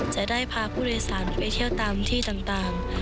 จะได้พาผู้โดยสารไปเที่ยวตามที่ต่าง